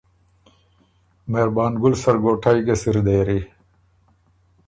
مهربان ګُل سرګوټئ ګه سِر دېری